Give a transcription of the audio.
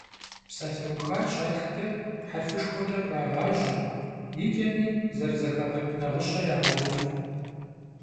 Psalheuxar şatxç'e herfışşxueç'e khrağaje, yi ç'emi zerızexağeç' nağışe yağeuv.